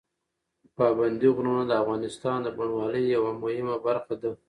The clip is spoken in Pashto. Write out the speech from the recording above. پابندي غرونه د افغانستان د بڼوالۍ یوه مهمه برخه ده.